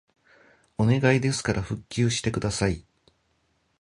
お願いですから復旧してください